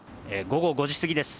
午後５時過ぎです。